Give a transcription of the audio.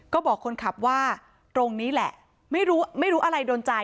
ก็บอกคนขับว่าตรงนี้แหละไม่รู้ไม่รู้อะไรโดนใจ